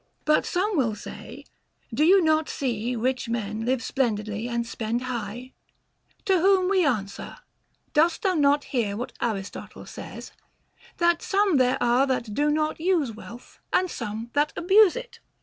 8. But some will say, Do you not see rich men live splendidly and spend high 1 To whom we answer : Dost thou not hear what x^ristotle says, that some there are that do not use wealth, and some that abuse if?